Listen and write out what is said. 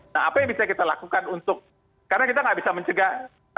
nah apa yang bisa kita lakukan untuk karena kita nggak bisa mencegah